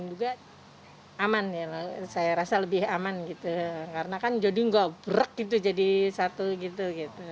saya juga aman saya rasa lebih aman gitu karena kan jodoh nggak berak gitu jadi satu gitu